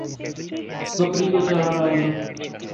بکری کو چارہ ڈال دو